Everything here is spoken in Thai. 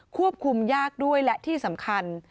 ควบคุมยากด้วยและที่สำคัญ